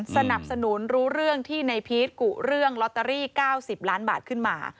สนับสนุนรู้เรื่องที่ในพีชกุเรื่องลอตเตอรี่๙๐ล้านบาทขึ้นมา